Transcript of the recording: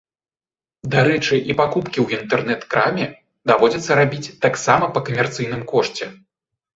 Дарэчы, і пакупкі ў інтэрнэт-краме даводзіцца рабіць таксама па камерцыйным кошце.